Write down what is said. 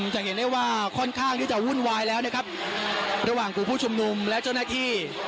จะเห็นได้ว่าค่อนข้างที่จะวุ่นวายแล้วนะครับระหว่างกลุ่มผู้ชุมนุมและเจ้าหน้าที่